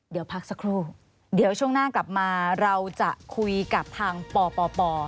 เดี๋ยวพักสักครู่เดี๋ยวช่วงหน้ากลับมาเราจะคุยกับทางปป